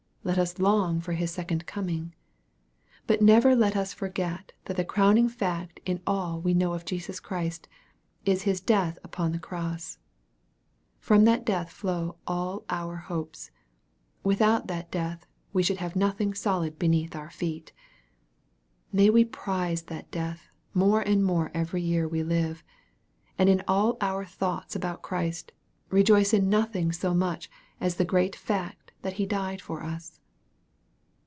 Let us long for his second coming. But never let us forget that the crowning fact in all we know of Jesus Christ, is His death upon the cross. From that death flow all our hopes. Without that death we should have nothing solid beneath our feet. May we prize that death more and more every year we live ; and in all our thoughts about Christ, rejoice in nothing so much as the great fact that He died for us